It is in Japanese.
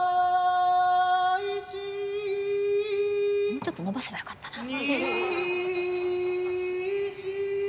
もうちょっと伸ばせばよかったな。